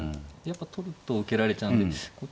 やっぱ取ると受けられちゃうんで。